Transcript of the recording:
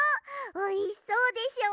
おいしそうでしょ。